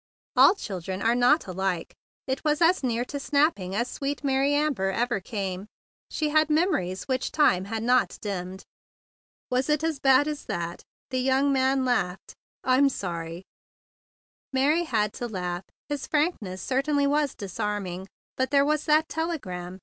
"All children are not alike." It was as near to snapping as sweet Mary Am¬ ber ever came. She had memories which time had not dimmed. THE BIG BLUE SOLDIER 57 "Was it as bad as that?" laughed the young man. "I'm sorry!" Mary had to laugh. His frankness certainly was disarming. But there was that telegram!